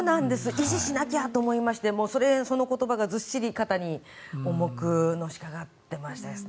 維持しなきゃと思いましてその言葉が肩にずっしり重くのしかかってましたね。